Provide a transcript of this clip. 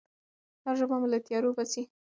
دا ژبه مو له تیارو باسي.